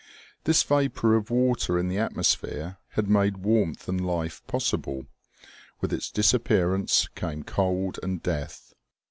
This vapor of water in the atmosphere had made warmth and life possible ; with its disappearance came cold and death.